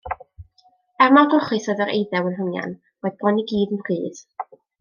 Er mor drwchus oedd yr eiddew yn hongian, roedd bron i gyd yn rhydd.